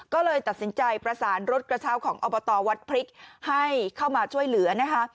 ก็เลยตัดสินใจประสานรถกระเช้าของอบตวัดพริกให้เข้ามาช่วยเหลือนะคะ